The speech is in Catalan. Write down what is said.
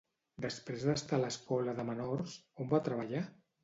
Després d'estar a l'escola de menors, on va treballar?